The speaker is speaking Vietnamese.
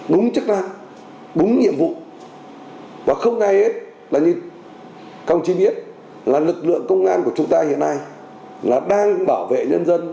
đúng chức năng đúng nhiệm vụ và không ai hết là như các ông chí biết là lực lượng công an của chúng ta hiện nay là đang bảo vệ nhân dân